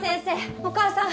お母さん！